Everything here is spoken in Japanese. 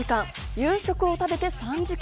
夕食を食べて３時間。